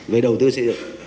về đầu tư xây dựng